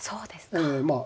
ええまあ